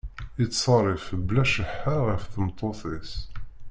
Yettṣerrif bla cceḥḥa ɣef tmeṭṭut-is.